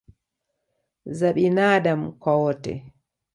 za binaadamu kwa wote